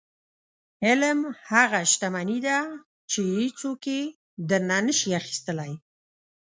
• علم هغه شتمني ده چې هیڅوک یې درنه نشي اخیستلی.